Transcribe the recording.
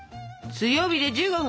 強火で１５分。